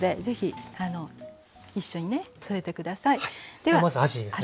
ではまずあじですね。